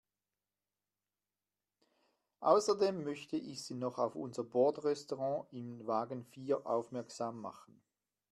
Außerdem möchte ich Sie noch auf unser Bordrestaurant in Wagen vier aufmerksam machen.